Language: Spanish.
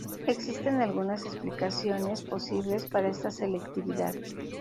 Existen algunas explicaciones posibles para esta selectividad.